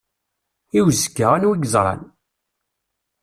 I uzekka anwa i yeẓran?